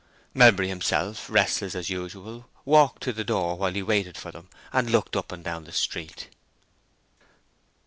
Melbury himself, restless as usual, walked to the door while he waited for them, and looked up and down the street.